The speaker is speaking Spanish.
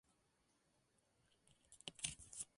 Ella es la hija del actor de Malayalam, Augustine.